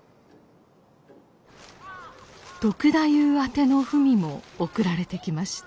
篤太夫宛ての文も送られてきました。